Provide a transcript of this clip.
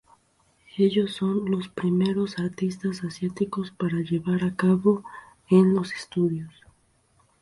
Ellos son los primeros artistas asiáticos para llevar a cabo en los estudios.